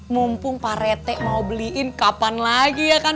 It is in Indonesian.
mumpung parete mau beliin kapan lagi ya kan